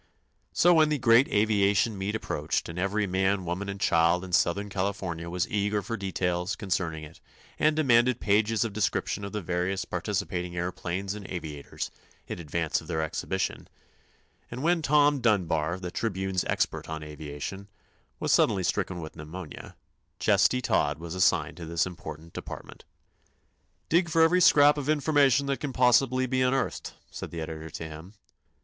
So, when the great aviation meet approached and every man, woman and child in Southern California was eager for details concerning it and demanded pages of description of the various participating aëroplanes and aviators, in advance of their exhibition, and when Tom Dunbar, the Tribune's expert on aviation, was suddenly stricken with pneumonia, "Chesty" Todd was assigned to this important department. "Dig for every scrap of information that can possibly be unearthed," said the editor to him.